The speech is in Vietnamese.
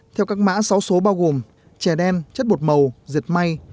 theo các mã sáu số bao gồm chè đen chất bột màu diệt may